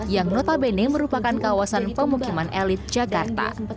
yang notabene merupakan kawasan pemukiman elit jakarta